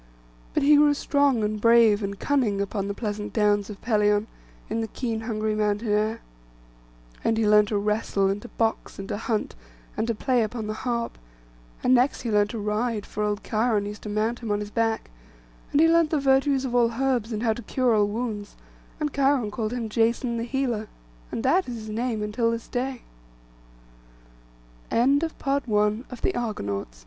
But he grew strong, and brave and cunning, upon the pleasant downs of Pelion, in the keen hungry mountain air. And he learnt to wrestle, and to box, and to hunt, and to play upon the harp; and next he learnt to ride, for old Cheiron used to mount him on his back; and he learnt the virtues of all herbs and how to cure all wounds; and Cheiron called him Jason the healer, and that is his name until this